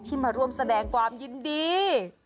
มาร่วมแสดงความยินดี